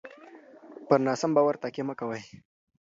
پر ناسم باور تکیه مه کوئ.